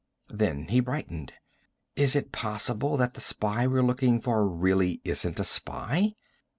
Then he brightened. "Is it possible that the spy we're looking for really isn't a spy?"